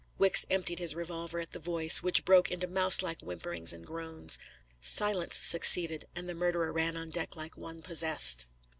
Wicks emptied his revolver at the voice, which broke into mouse like whimperings and groans. Silence succeeded, and the murderer ran on deck like one possessed.